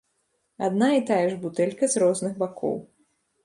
Адна і тая ж бутэлька з розных бакоў.